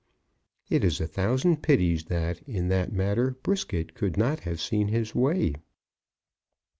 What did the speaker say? It is a thousand pities that, in that matter, Brisket could not have seen his way.